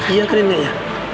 iya kan neneknya